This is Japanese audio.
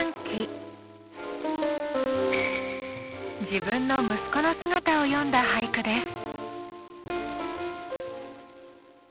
自分の息子の姿を詠んだ俳句です。